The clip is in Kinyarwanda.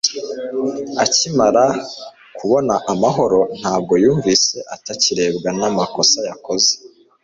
akimara kubona amahoro, ntabwo yumvise atakirebwa n'amakosa yakoze